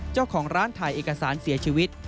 เจ้าของร้านถ่ายเอกสารเสียชีวิต